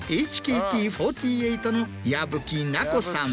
ＨＫＴ４８の矢吹奈子さん